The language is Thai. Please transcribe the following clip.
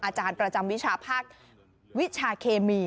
อาจารย์ประจำวิชาภาควิชาเคมี